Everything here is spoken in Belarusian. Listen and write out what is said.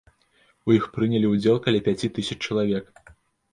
У іх прынялі ўдзел каля пяці тысяч чалавек.